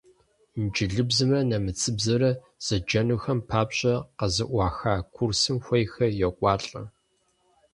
Инджылызыбзэмрэ нэмыцэбзэмрэ зыджынухэм папщӀэ къызэӀуаха курсым хуейхэр йокӀуалӀэ.